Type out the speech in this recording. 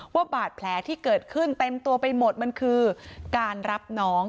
ว่าบาดแผลที่เกิดขึ้นเต็มตัวไปหมดมันคือการรับน้อง